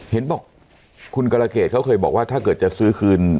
เห็นบอกคุณกรเกษเขาเคยบอกว่าถ้าเกิดจะซื้อคืน